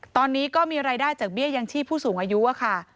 ตอนนี้ก็มีรายได้จากเบี้ยยังชีพผู้สูงอายุค่ะ